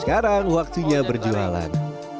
sekarang waktunya berjualan